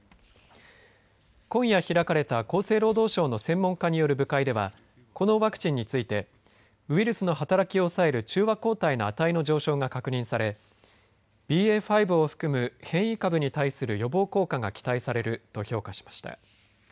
今夜開かれた厚生労働省の専門家による部会ではこのワクチンについてウイルスの働きを抑える中和抗体の値の上昇が確認されＢＡ．５を含む変異株に対する予防効果が期待されると評価しました。